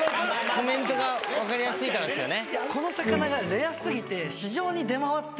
コメントが分かりやすいからですよね？